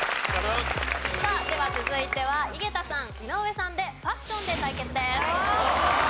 さあでは続いては井桁さん井上さんでファッションで対決です。